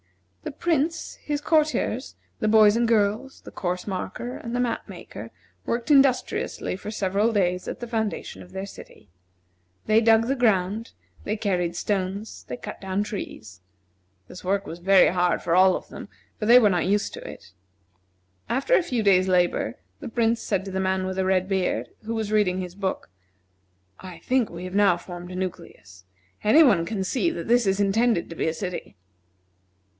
The Prince, his courtiers, the boys and girls, the course marker, and the map maker worked industriously for several days at the foundation of their city. They dug the ground, they carried stones, they cut down trees. This work was very hard for all of them, for they were not used to it. After a few days' labor, the Prince said to the man with the red beard, who was reading his book: "I think we have now formed a nucleus. Any one can see that this is intended to be a city."